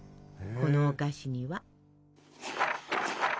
このお菓子には。